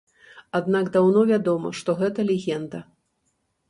Аднак даўно вядома, што гэта легенда.